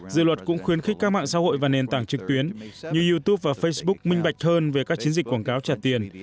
dự luật cũng khuyến khích các mạng xã hội và nền tảng trực tuyến như youtube và facebook minh bạch hơn về các chiến dịch quảng cáo trả tiền